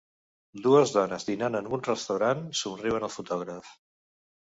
Dues dones dinant en un restaurant somriuen al fotògraf.